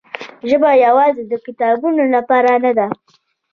ژبه یوازې د کتابونو لپاره نه ده.